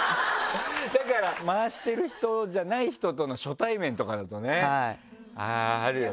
だから回してる人じゃない人との初対面とかだとねあるよね。